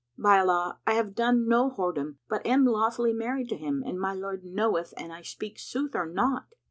By Allah, I have done no whoredom, but am lawfully married to him, and my Lord knoweth an I speak sooth or not!